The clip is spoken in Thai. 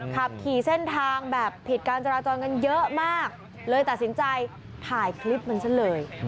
ขับขี่เส้นทางแบบผิดการจราจรกันเยอะมากเลยตัดสินใจถ่ายคลิปมันซะเลย